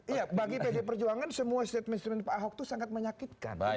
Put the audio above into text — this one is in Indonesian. iya bagi pd perjuangan semua statement statement pak ahok itu sangat menyakitkan